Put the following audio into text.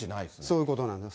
そういうことなんです。